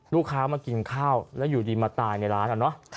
ลูกค้ามากินข้าวแล้วอยู่ดีมาตายในร้านอะเนาะ